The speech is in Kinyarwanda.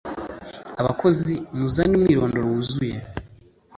abakozi muzane umwirondoro wuzuye.